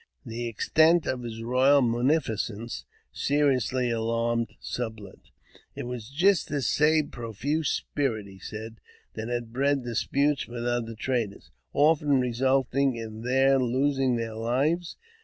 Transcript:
The extent of his " royal munificence " seriously alarmed Sublet. It was just this same profuse spirit, he said, that had bred disputes with other traders, often resulting in their losing their lives.